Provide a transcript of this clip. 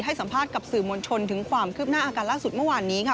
สัมภาษณ์กับสื่อมวลชนถึงความคืบหน้าอาการล่าสุดเมื่อวานนี้ค่ะ